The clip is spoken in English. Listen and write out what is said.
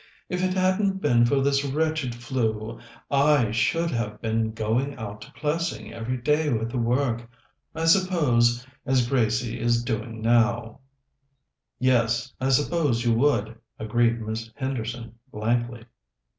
"If it hadn't been for this wretched flu, I should have been going out to Plessing every day with the work, I suppose, as Gracie is doing now." "Yes, I suppose you would," agreed Miss Henderson blankly.